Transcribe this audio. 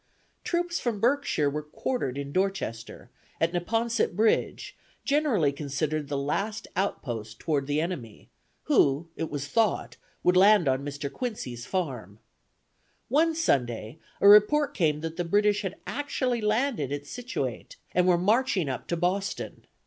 "Troops from Berkshire were quartered in Dorchester, at Neponset Bridge, generally considered the last outpost toward the enemy, who, it was thought, would land on Mr. Quincy's farm. One Sunday, a report came that the British had actually landed at Scituate, and were marching up to Boston.